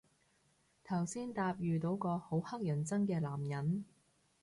頭先搭遇到個好乞人憎嘅男人